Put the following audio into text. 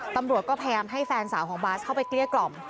ตำรวจก็พยายามให้แฟนสาวของบาสเข้าไปเกลี้ยกล่อม